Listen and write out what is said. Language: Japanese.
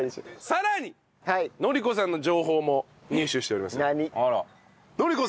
さらに乃梨子さんの情報も入手しております。